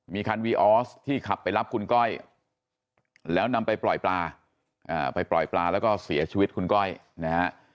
มีคันวีออสที่ขับไปรับคุณก้อยแล้วนำไปปล่อยปลาไปปล่อยปลาแล้วก็เสียชีวิตคุณก้อยนะฮะ